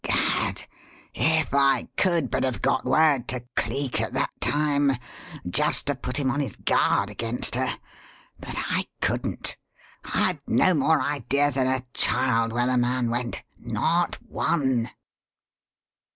Gad! if I could but have got word to Cleek at that time just to put him on his guard against her. But I couldn't. I've no more idea than a child where the man went not one."